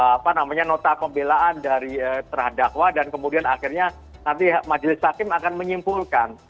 apa namanya nota pembelaan dari terhadap dakwa dan kemudian akhirnya nanti majelis hakim akan menyimpulkan